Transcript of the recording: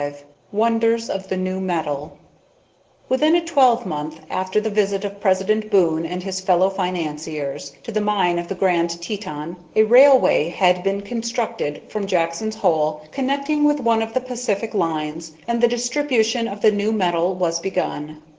V WONDERS OF THE NEW METAL Within a twelvemonth after the visit of President Boon and his fellow financiers to the mine in the Grand Teton a railway had been constructed from Jackson's Hole, connecting with one of the Pacific lines, and the distribution of the new metal was begun.